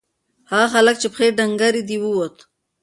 هغه هلک چې پښې یې ډنگرې دي ووت.